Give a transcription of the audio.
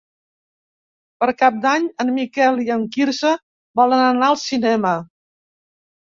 Per Cap d'Any en Miquel i en Quirze volen anar al cinema.